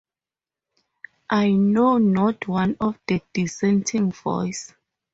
I know not one of the dissenting voice.